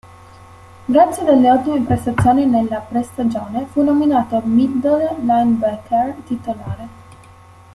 Grazie a delle ottime prestazioni nella pre-stagione fu nominato middle linebacker titolare.